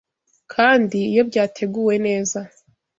kandi iyo byateguwe neza,